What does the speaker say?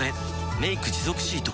「メイク持続シート」